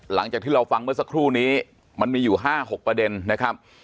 หลังจากที่เราฟังเมื่อสักครู่นี้มันมีอยู่๕๖ประเด็นนะครับ